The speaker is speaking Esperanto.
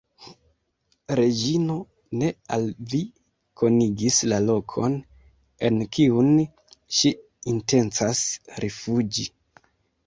Reĝino ne al vi konigis la lokon, en kiun ŝi intencas rifuĝi.